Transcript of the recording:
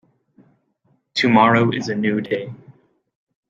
Tomorrow is a new day.